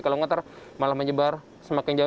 kalau ngoter malah menyebar semakin jauh